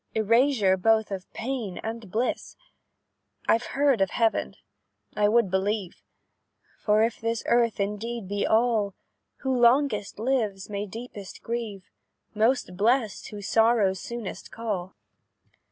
Erasure both of pain and bliss? "I've heard of heaven I would believe; For if this earth indeed be all, Who longest lives may deepest grieve; Most blest, whom sorrows soonest call.